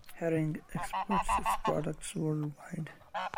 Hering exports its products worldwide.